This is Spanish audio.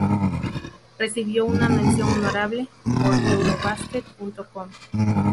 Recibió una "mención honorable" por Eurobasket.com.